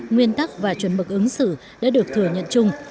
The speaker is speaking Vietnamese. nguyên tắc và chuẩn mực ứng xử đã được thừa nhận chung